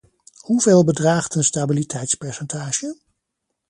Hoeveel bedraagt een stabiliteitspercentage?